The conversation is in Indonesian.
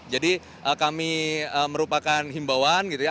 jadi kami merupakan himbauan gitu ya